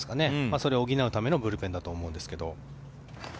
それを補うためのブルペンだと思うんですけど。